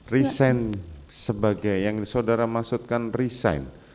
resign sebagai yang saudara maksudkan resign